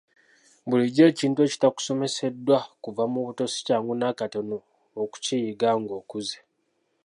Bulijjo ekintu ekitakusomeseddwa kuva buto si kyangu n'akatono okukiyiga ng'okuze.